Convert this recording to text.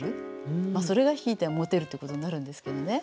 まあそれがひいてはモテるということになるんですけどね。